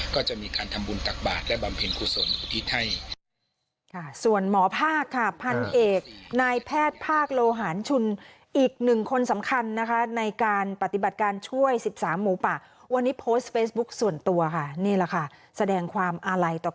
ก็จะมีการทำบุญตักบาท